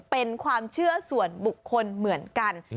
เป็นความเชื่อส่วนบุคคลเหมือนกัน